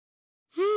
うん？